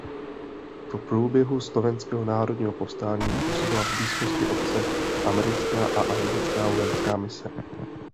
V průběhu Slovenského národního povstání působila v blízkosti obce americká a anglická vojenská mise.